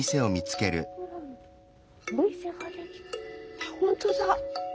あっ本当だ。